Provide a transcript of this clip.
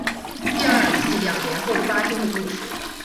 第二季两年后发生的故事。